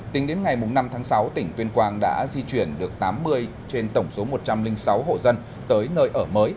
tính đến ngày năm tháng sáu tỉnh tuyên quang đã di chuyển được tám mươi trên tổng số một trăm linh sáu hộ dân tới nơi ở mới